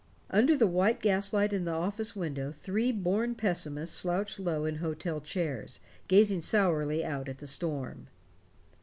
Under the white gaslight in the office window three born pessimists slouched low in hotel chairs, gazing sourly out at the storm.